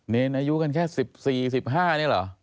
เนรอายุกันแค่๑๔๑๕นี่เหรอ